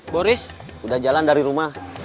boris udah jalan dari rumah